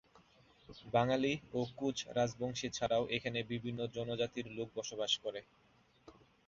বাঙালী ও কোচ রাজবংশী ছাড়াও এখানে বিভিন্ন জনজাতির লোক বসবাস করে।